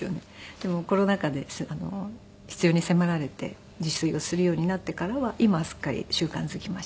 でもコロナ禍で必要に迫られて自炊をするようになってからは今はすっかり習慣づきました。